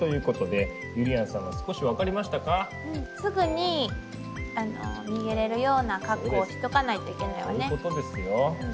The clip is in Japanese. すぐに逃げれるような格好をしとかないといけないわね。